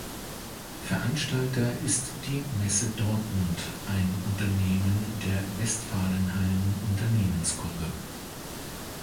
Veranstalter ist die Messe Dortmund, ein Unternehmen der Westfalenhallen Unternehmensgruppe.